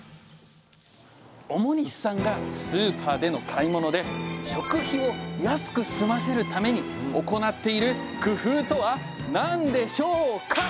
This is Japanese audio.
表西さんがスーパーでの買い物で食費を安くすませるために行っている工夫とは何でしょうか？